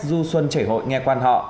du xuân chảy hội nghe quan họ